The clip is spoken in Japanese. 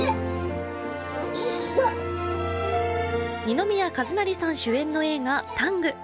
二宮和也さん主演の映画「ＴＡＮＧタング」。